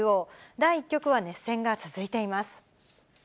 第１局は熱戦が続いています。